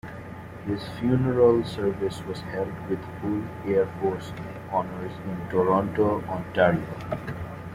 His funeral service was held with full Air Force Honours in Toronto, Ontario.